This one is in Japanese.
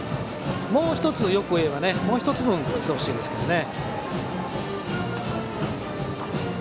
もう１つ欲を言えばもう１つ分落ちてほしいですね。